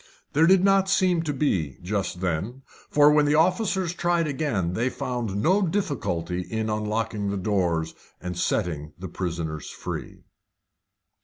There did not seem to be, just then. For when the officers tried again they found no difficulty in unlocking the doors, and setting the prisoners free.